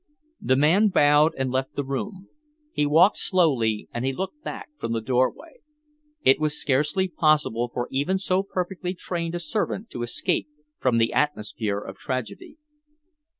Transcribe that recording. The man bowed and left the room. He walked slowly and he looked back from the doorway. It was scarcely possible for even so perfectly trained a servant to escape from the atmosphere of tragedy.